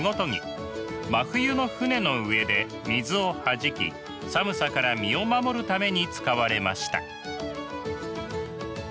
真冬の船の上で水をはじき寒さから身を守るために使われました。